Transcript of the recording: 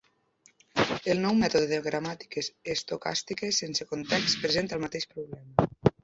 El nou mètode de gramàtiques estocàstiques sense context presenta el mateix problema.